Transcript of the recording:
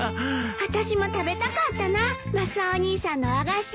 あたしも食べたかったなマスオお兄さんの和菓子。